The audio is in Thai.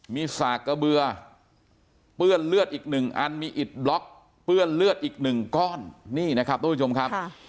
มีสากกระเบือเปื้อนเลือดอีกหนึ่งอันมีอิดบล็อกเปื้อนเลือดอีกหนึ่งก้อนนี่นะครับทุกผู้ชมครับ